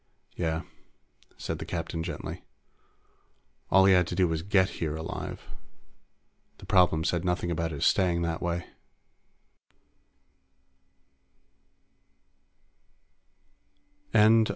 "Yeah," said the captain gently. "All he had to do was get here alive. The problem said nothing about his staying that way."